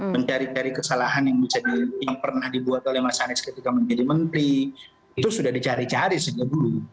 mencari cari kesalahan yang pernah dibuat oleh mas anies ketika menjadi menteri itu sudah dicari cari sejak dulu